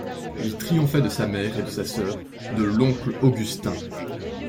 Il triomphait de sa mère et de sa sœur, de l'oncle Augustin.